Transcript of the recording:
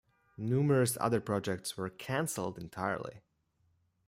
Numerous other projects were cancelled entirely.